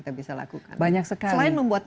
kita bisa lakukan banyak sekali selain membuat